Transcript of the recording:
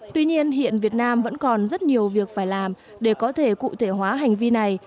tuy nhiên hiện việt nam vẫn còn rất nhiều việc phải làm để có thể cụ thể hóa hành vi này